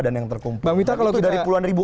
dan yang terkumpul itu dari puluhan ribu